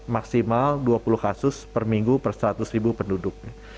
maksimal dua puluh kasus per minggu per seratus ribu penduduknya